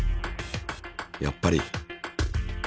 やっぱり。